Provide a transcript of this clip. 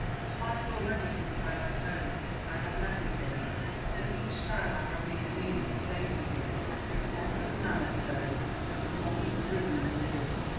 Twice already, since I left home, I have met with him; and each time I have been the means of saving him once at the milestone, and once at the ruin in the wood.